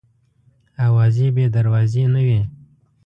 اوازې بې دروازې نه وي.